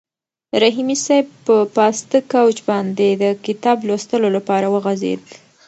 رحیمي صیب په پاسته کوچ باندې د کتاب لوستلو لپاره وغځېد.